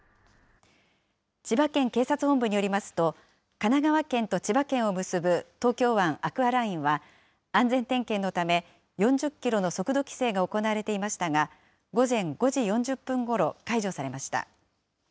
千葉県警察本部によりますと、神奈川県と千葉県を結ぶ東京湾アクアラインは、安全点検のため、４０キロの速度規制が行われていましたが、午前５時４０分ごろ解除されました。